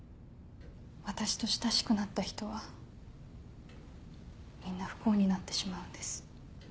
私と親しくなった人はみんな不幸になってしまうんです。